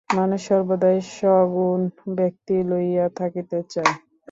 মানুষ সর্বদাই সগুণ ব্যক্তি লইয়া থাকিতে চায়।